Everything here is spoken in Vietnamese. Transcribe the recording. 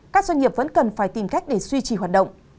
các doanh nghiệp vẫn cần phải tìm cách để duy trì hoạt động